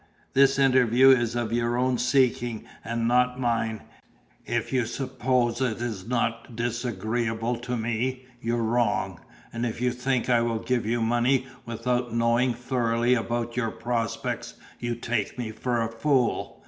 "This interview is of your own seeking, and not mine; if you suppose it's not disagreeable to me, you're wrong; and if you think I will give you money without knowing thoroughly about your prospects, you take me for a fool.